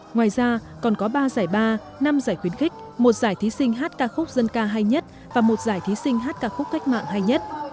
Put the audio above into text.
ngoài ra còn có ba giải ba năm giải khuyến khích một giải thí sinh hát ca khúc dân ca hay nhất và một giải thí sinh hát ca khúc cách mạng hay nhất